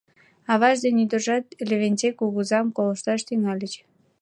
Аваж ден ӱдыржат Левентей кугызам колышташ тӱҥальыч.